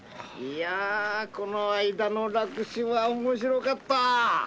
この間の落首は面白かった。